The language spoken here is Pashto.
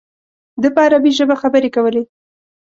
ده په عربي ژبه خبرې کولې.